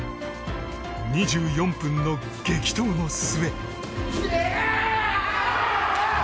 ２４分の激闘の末。